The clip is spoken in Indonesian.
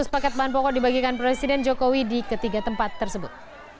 lima ratus paket bahan pokok dibagikan presiden jokowi di ketiga tempat tersebut